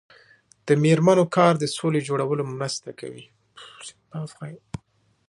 د میرمنو کار د سولې جوړولو مرسته کوي.